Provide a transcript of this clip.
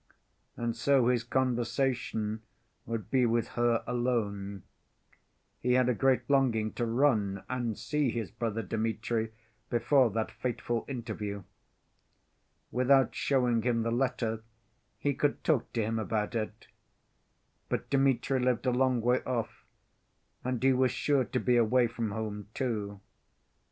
And so his conversation would be with her alone. He had a great longing to run and see his brother Dmitri before that fateful interview. Without showing him the letter, he could talk to him about it. But Dmitri lived a long way off, and he was sure to be away from home too.